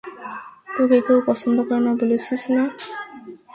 তোকে কেউ পছন্দ করে না, বলেছিস না?